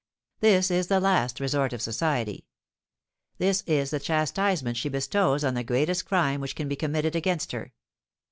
This is the last resort of society. This is the chastisement she bestows on the greatest crime which can be committed against her.